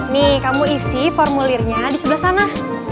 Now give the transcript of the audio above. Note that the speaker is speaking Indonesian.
nih kamu isi formulirnya di sebelah sana